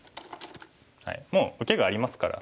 もう受けがありますから。